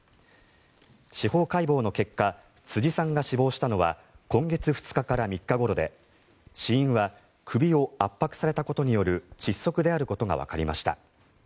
司法解剖の結果辻さんが死亡したのは今月２日から３日ごろで死因は首を圧迫されたことによる窒息であることがわかりました。